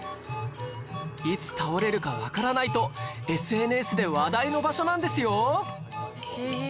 いつ倒れるかわからないと ＳＮＳ で話題の場所なんですよ